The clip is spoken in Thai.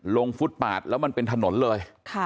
ฟุตปาดแล้วมันเป็นถนนเลย